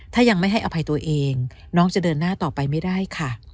ถ้ายังไม่ให้อภัยตัวเองน้องจะเดินหน้าต่อไปไม่ได้ค่ะ